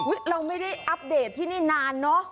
เราไม่ได้อัปเดตที่นี่นานเนอะ